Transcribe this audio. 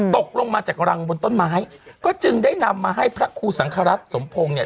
ตกลงมาจากรังบนต้นไม้ก็จึงได้นำมาให้พระครูสังครัฐสมพงศ์เนี่ย